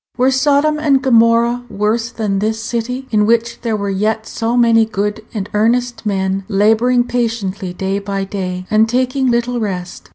Were Sodom and Gomorrah worse than this city, in which there were yet so many good and earnest men laboring patiently day by day, and taking little rest?